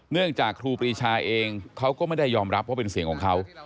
จากครูปรีชาเองเขาก็ไม่ได้ยอมรับว่าเป็นเสียงของเขา